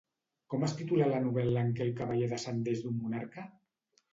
Com es titula la novel·la en què el cavaller descendeix d'un monarca?